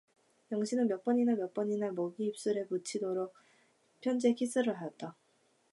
영신은 몇 번이나 몇 번이나 먹이 입술에 묻도록 편지에 키스를 하였다.